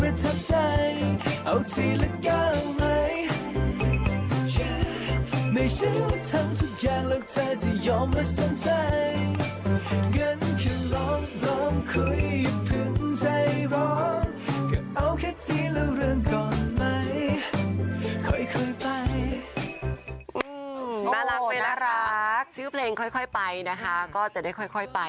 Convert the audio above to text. น่ารักไม่น่ารักชื่อเพลงค่อยไปนะคะก็จะได้ค่อยไป